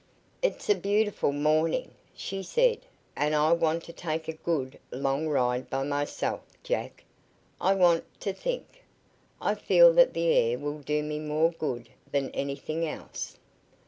"It's a beautiful morning," she said, "and I want to take a good, long ride by myself, Jack. I want to think. I feel that the air will do me more good than anything else."